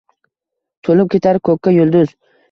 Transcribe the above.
To’lib ketar ko’kka yulduz…